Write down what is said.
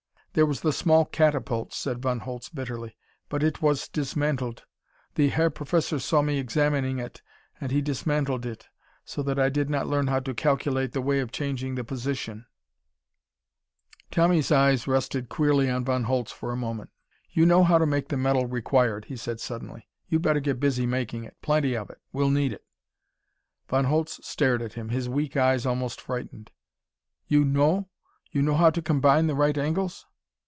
"There was the small catapult," said Von Holtz bitterly, "but it was dismantled. The Herr Professor saw me examining it, and he dismantled it. So that I did not learn how to calculate the way of changing the position "Tommy's eyes rested queerly on Von Holtz for a moment. "You know how to make the metal required," he said suddenly. "You'd better get busy making it. Plenty of it. We'll need it." Von Holtz stared at him, his weak eyes almost frightened. "You know? You know how to combine the right angles?"